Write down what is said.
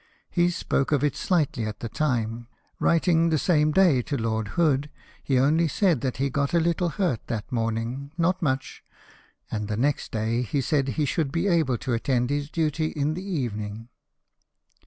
He spoke of it slightly at the time ; writing the same day to Lord Hood, he only said that he got a little hurt that morning, not much ; and the next day he said he should be able to attend his duty in the evening.